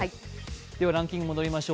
ランキングに戻りましょう。